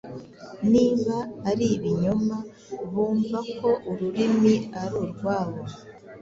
niba ari ibinyoma, bumva ko ururimi ari 'urwabo.'